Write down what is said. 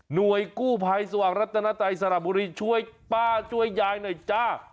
หน่วยกู้ภัยสวัสดิ์รัฐนาตรายสารบุรีช่วยป้าช่วยยายหน่อยจ้า